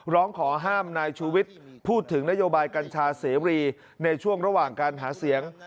ร้องขอห้ามนายชูวิทย์พูดถึงนโยบายกัญชาเสรีในช่วงระหว่างการหาเสียง